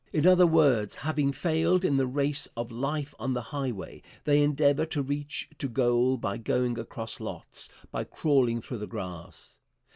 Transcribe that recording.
In other words, having failed in the race of life on the highway, they endeavor to reach to goal by going across lots, by crawling through the grass.